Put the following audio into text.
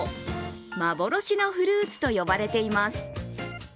幻のフルーツと呼ばれています。